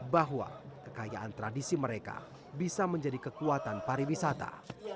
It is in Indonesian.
bahwa kekayaan tradisi mereka bisa menjadi kekuatan pariwisata